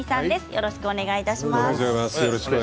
よろしくお願いします。